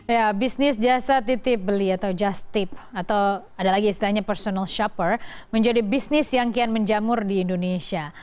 ya bisnis jasa titip beli atau just tip atau ada lagi istilahnya personal shopper menjadi bisnis yang kian menjamur di indonesia